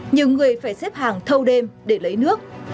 nhiều người phải xếp hàng thâu đêm để lấy nước